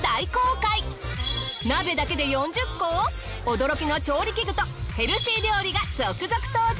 驚きの調理器具とヘルシー料理が続々登場。